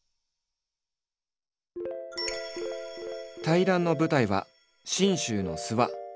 対談の舞台は信州の諏訪。